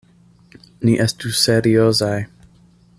Ni estu seriozaj!